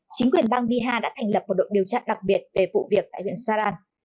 chính quyền bang bihar đã thành lập một đội điều tra đặc biệt về vụ việc tại huyện saran